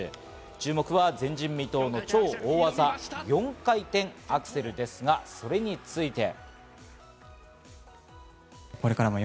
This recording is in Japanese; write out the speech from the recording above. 注目は前人未到の超大技、４回転アクセルですが、それについて。